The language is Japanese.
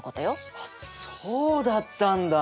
あそうだったんだ！